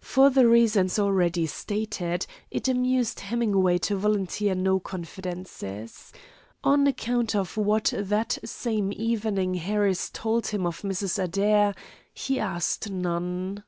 For the reasons already stated, it amused Hemingway to volunteer no confidences. On account of what that same evening Harris told him of Mrs. Adair, he asked none.